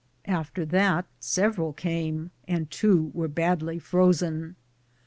After that several came, and two were badly frozen.